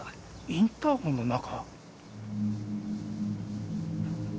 インターホンの中？